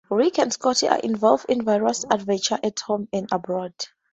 Rick and Scotty are involved in various adventures at home and abroad.